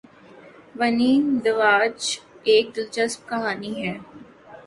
ونی داوچ ایک دلچسپ کہانی ہے۔